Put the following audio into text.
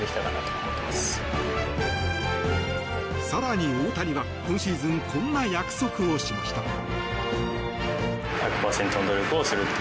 更に、大谷は今シーズンこんな約束をしました。